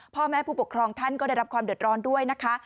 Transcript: พ่อแม่ผู้ปกครองท่านก็ได้รับความเดือดร้อนด้วยนะคะ